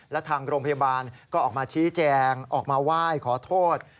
และทางโรงพยาบาลก็ออกมาชี้แจงออกมาไหว้ขอโทษ